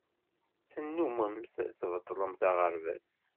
Tennumemt tbeṭṭlemt aɣerbaz.